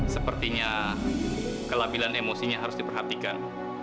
sepertinya kelabilan emosinya harus diperhatikan